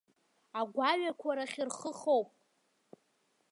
Агәаҩақәа рахь рхы хоуп.